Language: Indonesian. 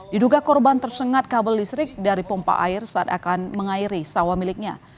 diduga korban tersengat kabel listrik dari pompa air saat akan mengairi sawah miliknya